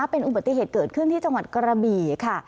เป็นอุบัติเหตุเกิดขึ้นที่จังหวัดกระบี่ค่ะ